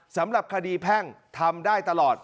สำหรับคดีแพ่งทำได้ตลอด